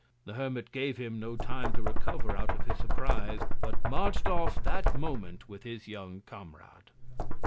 The Hermit gave him no Time to recover out of his Surprise, but march'd off that Moment with his young Comrade.